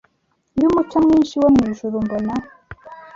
Yumucyo mwinshi wo mwijuru mbona